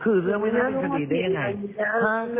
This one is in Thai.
คือเรื่องไม่น่าเป็นคดีได้ยังไง